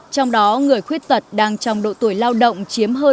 trong đó người khuyết tật đang trong độ tuổi lao động chiếm hơn ba mươi